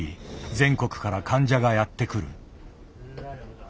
全国から患者がやって来る。